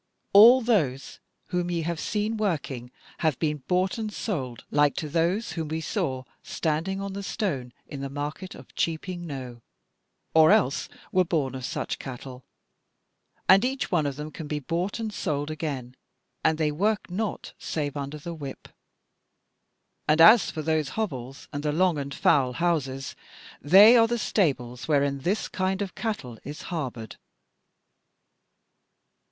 All those whom ye have seen working have been bought and sold like to those whom we saw standing on the Stone in the market of Cheaping Knowe, or else were born of such cattle, and each one of them can be bought and sold again, and they work not save under the whip. And as for those hovels and the long and foul houses, they are the stables wherein this kind of cattle is harboured."